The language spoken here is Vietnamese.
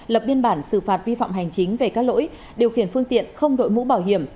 lập biên bản xử phạt vi phạm hành chính về các lỗi điều khiển phương tiện không đội mũ bảo hiểm